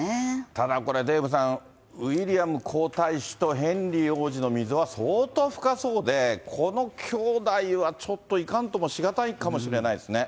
ただこれ、デーブさん、ウィリアム皇太子とヘンリー王子の溝は相当深そうで、この兄弟はちょっといかんともしがたいかもしれないですね。